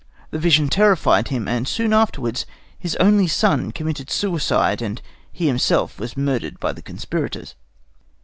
The vision terrified him, and soon afterwards his only son committed suicide and he himself was murdered by the conspirators.